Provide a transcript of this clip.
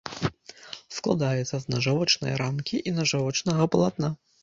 Складаецца з нажовачнай рамкі і нажовачнага палатна.